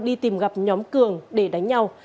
đi tìm gặp nhóm cường để đánh nhau